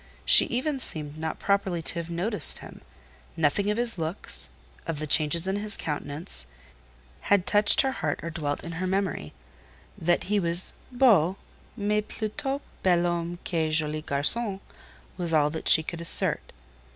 She even seemed not properly to have noticed him: nothing of his looks, of the changes in his countenance, had touched her heart or dwelt in her memory—that he was "beau, mais plutôt bel homme que joli garçon," was all she could assert.